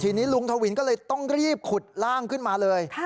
ทีนี้ลุงทวินก็เลยต้องรีบขุดร่างขึ้นมาเลย